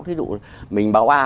thí dụ mình báo a